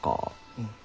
うん。